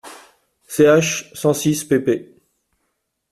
ch., cent six pp.